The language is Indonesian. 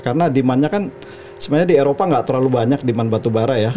karena di mana kan sebenarnya di eropa nggak terlalu banyak di mana batubara